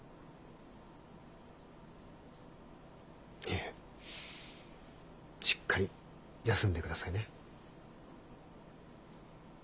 いえしっかり休んでくださいね。